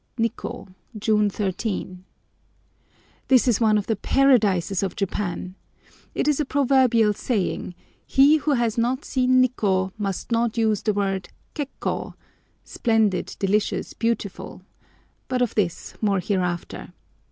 NIKKÔ, June 13.—This is one of the paradises of Japan! It is a proverbial saying, "He who has not seen Nikkô must not use the word kek'ko" (splendid, delicious, beautiful); but of this more hereafter.